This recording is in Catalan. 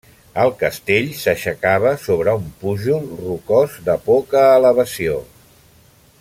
El castell s'aixecava sobre un pujol rocós de poca elevació.